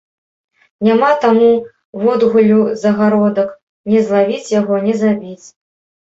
Няма таму водгуллю загародак, не злавіць яго, не забіць.